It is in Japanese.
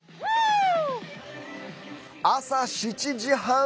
朝７時半。